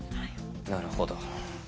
なるほど。